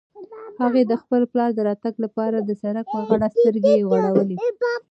هغه د خپل پلار د راتګ لپاره د سړک په غاړه سترګې غړولې.